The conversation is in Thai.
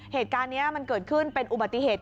เหตุการณ์นี้มันเกิดขึ้นเป็นอุบัติเหตุ